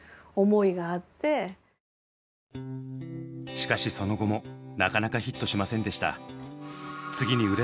しかしその後もなかなかヒットしませんでした。